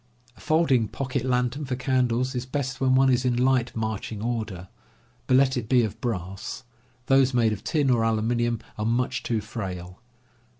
A folding pocket lantern for candles is best when one is in light marching order; but let it be of brass; those made of tin or aluminum are much too frail.